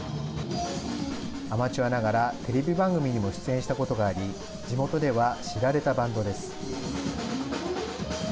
アマチュアながらテレビ番組にも出演したことがあり地元では知られたバンドです。